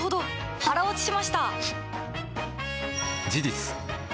腹落ちしました！